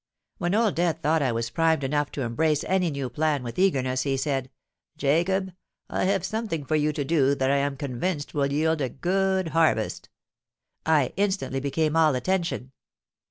When Old Death thought I was primed enough to embrace any new plan with eagerness, he said, 'Jacob, I have something for you to do that I am convinced will yield a good harvest.'—I instantly became all attention.